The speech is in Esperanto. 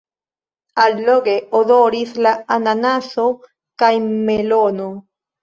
Alloge odoris la ananaso kaj melono.